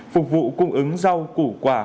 phục vụ cung ứng giao củ quả